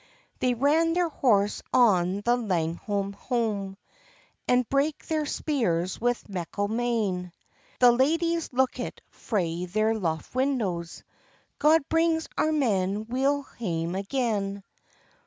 They ran their horse on the Langholm howm, And brake their spears with meikle main; The ladies lookit frae their loft windows— "God bring our men weel hame again!"